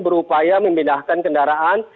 berupaya memindahkan kendaraan